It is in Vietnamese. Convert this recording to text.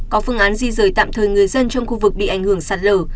có phương án di rời tạm thời người dân trong khu vực bị ảnh hưởng sạt lở